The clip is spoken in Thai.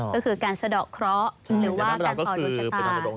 ก็คือการสะดอกเคราะห์หรือว่าการต่อดวงชะตา